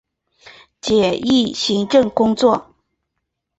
简易行政工作